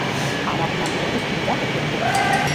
Ала тунам тудо укш мучашыш лектеш?..